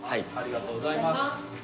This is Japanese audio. ありがとうございます。